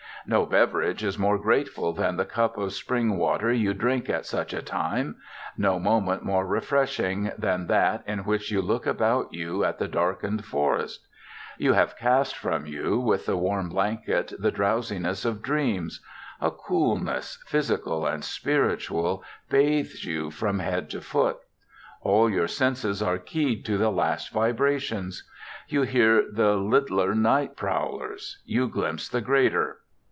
No beverage is more grateful than the cup of spring water you drink at such a time; no moment more refreshing than that in which you look about you at the darkened forest. You have cast from you with the warm blanket the drowsiness of dreams. A coolness, physical and spiritual, bathes you from head to foot. All your senses are keyed to the last vibrations. You hear the littler night prowlers; you glimpse the greater.